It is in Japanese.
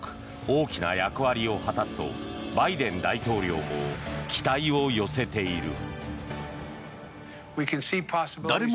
大きな役割を果たすとバイデン大統領も期待を寄せている。